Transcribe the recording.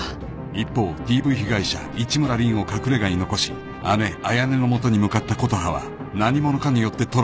［一方ＤＶ被害者市村凜を隠れ家に残し姉彩音の元に向かった琴葉は何者かによって捕らわれてしまう］